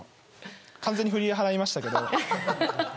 完全に振り払いましたけど。